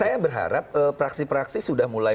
saya berharap fraksi fraksi sudah mulai